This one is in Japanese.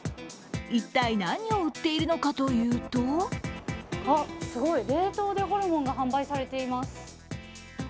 一体、何を売ってるのかというとすごい、冷凍でホルモンが販売されています。